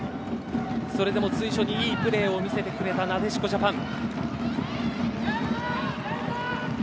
それでも随所にいいプレーを見せてくれたなでしこジャパン。